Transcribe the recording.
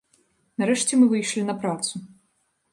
Нарэшце мы выйшлі на працу.